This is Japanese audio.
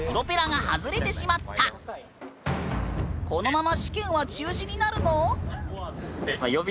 このまま試験は中止になるの？